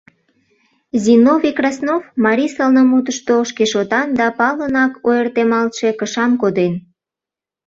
Зиновий Краснов марий сылнымутышто шкешотан да палынак ойыртемалтше кышам коден.